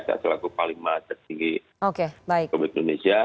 setelah kepala lima tertinggi komite indonesia